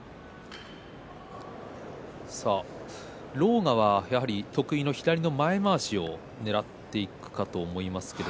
狼雅はやはり得意の左の前まわしをねらっていくかと思います。